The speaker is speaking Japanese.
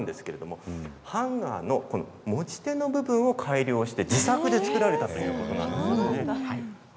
ハンガーの持ち手の部分を改良して自作で作られたということなんです。